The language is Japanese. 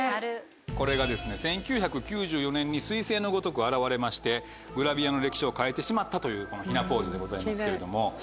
これが１９９４年に彗星のごとく現れましてグラビアの歴史を変えてしまったというこの雛ポーズでございますけれども。